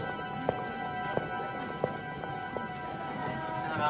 さようなら。